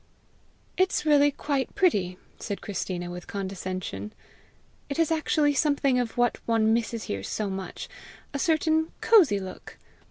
"It's really quite pretty!" said Christina with condescension. "It has actually something of what one misses here so much a certain cosy look!